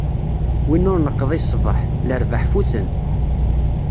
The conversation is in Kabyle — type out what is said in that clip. Win ur neqḍi ṣṣbeḥ, lerbaḥ futen.